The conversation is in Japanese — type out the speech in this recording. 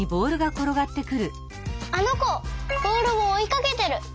あのこボールをおいかけてる！